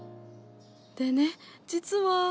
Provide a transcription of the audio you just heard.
でね実は。